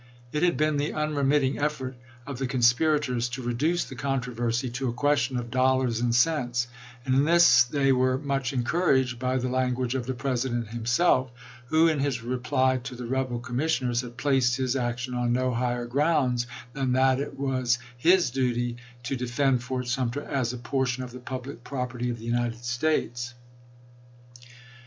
It had been the unremitting effort of the conspirators to reduce the controversy to a question of dollars and cents, and in this they were much encouraged by the language of the President himself, who in his reply to the rebel commissioners had placed his action on no higher grounds than that it was his " duty to defend Fort Sumter as a portion of the public prop erty of the United States."